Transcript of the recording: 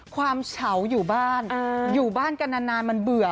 เฉาอยู่บ้านอยู่บ้านกันนานมันเบื่อ